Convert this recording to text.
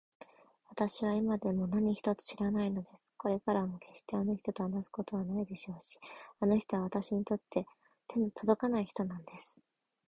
わたしは今でも何一つ知らないのです。これからもけっしてあの人と話すことはないでしょうし、あの人はわたしにとっては手のとどかない人なんです。